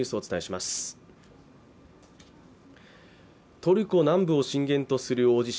トルコ南部を震源とする大地震。